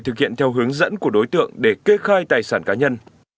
thực hiện theo hướng dẫn của đối tượng để kê khai tài sản cá nhân